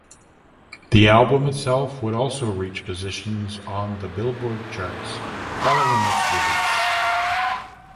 The album itself would also reach positions on the "Billboard" charts following its release.